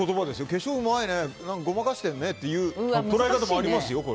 化粧うまいねごまかしてるねっていう捉え方もありますよ。